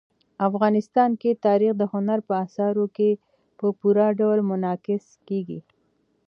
افغانستان کې تاریخ د هنر په اثارو کې په پوره ډول منعکس کېږي.